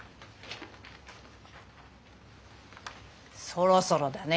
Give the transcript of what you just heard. そろそろだね。